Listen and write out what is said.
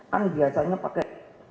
kan biasanya pakai